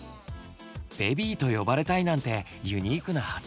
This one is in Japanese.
ベビーと呼ばれたいなんてユニークな発想だね。